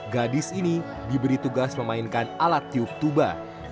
gadis ini diberi tugas memainkan alat tiup tuba